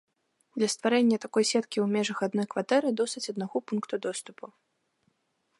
Для стварэння такой сеткі ў межах адной кватэры досыць аднаго пункту доступу.